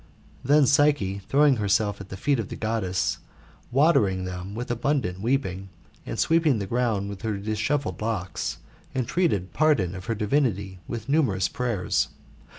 Then Psyche, tbrowing herself at the feet of the Goddess, watering thexn with ^{bunclant weeping, anci sweeping the ground with hfr disheyelled locks,,entreated pardon of her divinity with nunierpus prayers.